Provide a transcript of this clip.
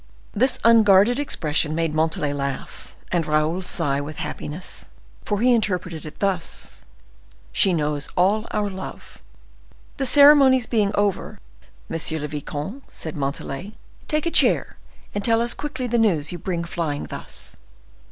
This unguarded expression made Montalais laugh and Raoul sigh with happiness, for he interpreted it thus: "She knows all our love." "The ceremonies being over, Monsieur le Vicomte," said Montalais, "take a chair, and tell us quickly the news you bring flying thus."